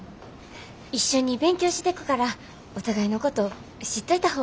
一緒に勉強してくからお互いのこと知っといた方がええかなって。